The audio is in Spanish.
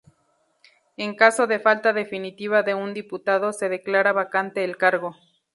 En caso de falta definitiva de un diputado se declara vacante el cargo.